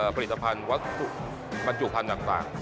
ผลิตภัณฑ์วัตถุบรรจุภัณฑ์ต่าง